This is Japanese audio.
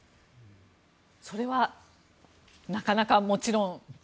それはなかなかもちろん。